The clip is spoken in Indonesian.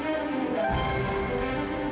terima kasih bu